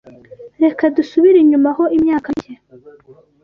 REKA dusubire inyuma ho imyaka mike